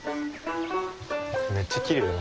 めっちゃきれいだね。